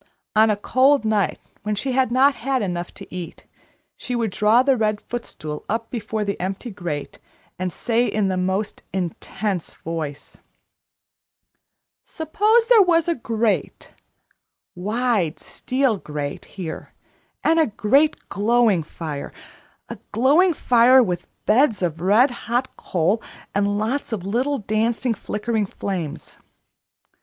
On a cold night, when she had not had enough to eat, she would draw the red footstool up before the empty grate, and say in the most intense voice: "Suppose there was a grate, wide steel grate here, and a great glowing fire a glowing fire with beds of red hot coal and lots of little dancing, flickering flames.